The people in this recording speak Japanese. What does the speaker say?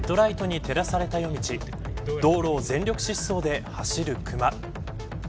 ヘッドライトに照らされた夜道道路を全力疾走で走るクマ。